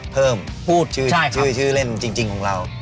เพิ่มพูดชื่อเล่นจริงของเรา